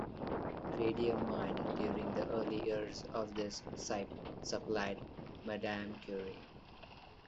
Radium mined during the early years of this site supplied Madame Curie.